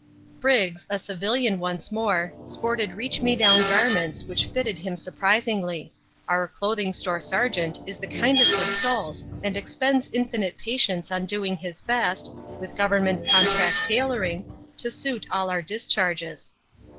Briggs, a civilian once more, sported reach me down garments which fitted him surprisingly our Clothing Store sergeant is the kindest of souls and expends infinite patience on doing his best, with government contract tailoring, to suit all our discharges.